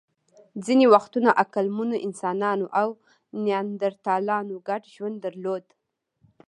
ځینې وختونه عقلمنو انسانانو او نیاندرتالانو ګډ ژوند درلود.